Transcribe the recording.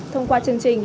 thông qua chương trình